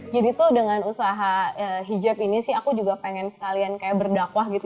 jadi tuh dengan usaha hijab ini sih aku juga pengen sekalian kayak berdakwah gitu